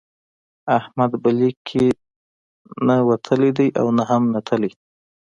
احمد به لیک کې نه وتلی دی او نه هم نتلی.